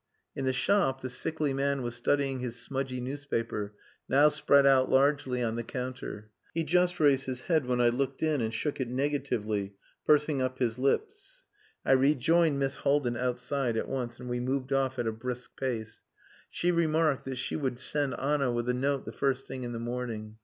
In the shop the sickly man was studying his smudgy newspaper, now spread out largely on the counter. He just raised his head when I looked in and shook it negatively, pursing up his lips. I rejoined Miss Haldin outside at once, and we moved off at a brisk pace. She remarked that she would send Anna with a note the first thing in the morning.